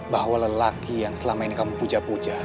bahwa lelaki yang selama ini kamu puja puja